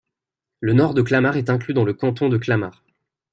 Le nord de Clamart est inclus dans le canton de Clamart.